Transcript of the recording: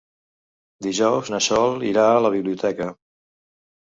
Dijous na Sol irà a la biblioteca.